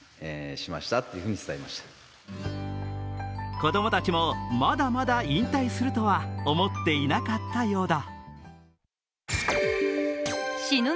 子どもたちもまだまだ引退するとは思っていなかったようだ。